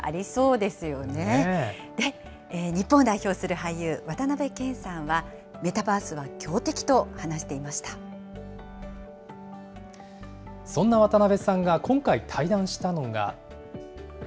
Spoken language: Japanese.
で、日本を代表する俳優、渡辺謙さんは、メタバースは強敵と話しそんな渡辺さんが今回、対談したのが。